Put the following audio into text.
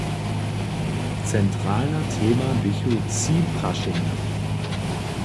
Centralna tema běchu tři prašenja.